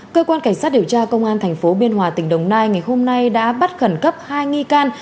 cơ quan cảnh sát điều tra công an tp biên hòa tỉnh đồng nai ngày hôm nay đã bắt khẩn cấp hai nghi can